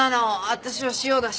私は塩だし。